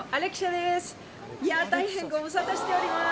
大変ご無沙汰しております。